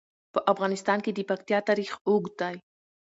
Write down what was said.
په افغانستان کې د پکتیا تاریخ اوږد دی.